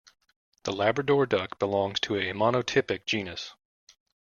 The Labrador duck belongs to a monotypic genus.